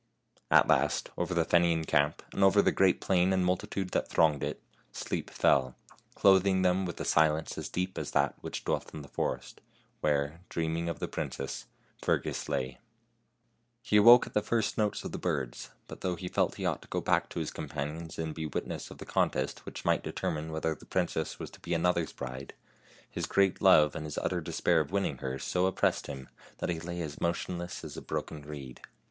At last, over the Fenian camp, and over the great plain and the multitude that thronged it, sleep fell, clothing them with a silence as deep as that which dwelt in the forest, where, dreaming of the princess, Fergus lay. He awoke at the first notes of the birds, but though he felt he ought to go back to his companions and be wit ness of the contest which might determine whether the princess was to be another's bride, his great love and his utter despair of winning her so oppressed him that he lay as motionless as a broken reed.